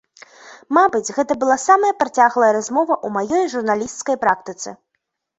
Мабыць, гэта была самая працяглая размова ў маёй журналісцкай практыцы.